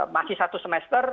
masih satu semester